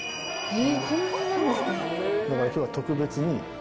え！